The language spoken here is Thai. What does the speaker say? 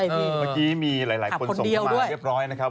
เมื่อกี้มีหลายคนส่งเข้ามาเรียบร้อยนะครับ